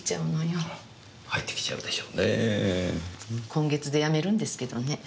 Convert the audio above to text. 今月でやめるんですけどね。